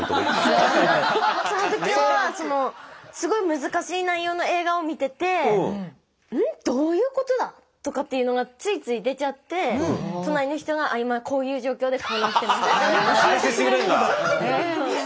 その時はすごい難しい内容の映画を見ててとかっていうのがついつい出ちゃって隣の人が「あ今こういう状況でこうなってます」。